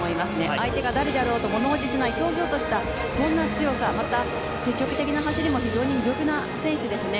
相手が誰であろうと物怖じしないひょうひょうとしたそんな強さ、また積極的な走りも非常に魅力の選手ですね。